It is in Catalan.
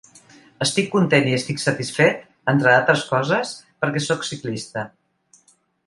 Estic content i estic satisfet, entre d’altres coses, perquè sóc ciclista.